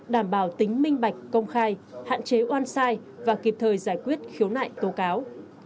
đảm bảo tính minh bạch công khai hạn chế oan sai và kịp thời giải quyết khiếu nại tố cáo